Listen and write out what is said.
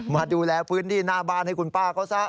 มาดูแลพื้นที่หน้าบ้านให้คุณป้าเขาซะ